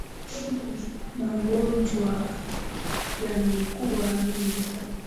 Magonjwa yamekuwa mengi sana